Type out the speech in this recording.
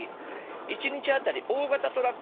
１日当たり大型トラック